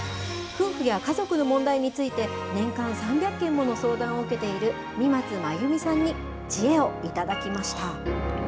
夫婦や家族の問題について、年間３００件もの相談を受けている三松真由美さんに知恵を頂きました。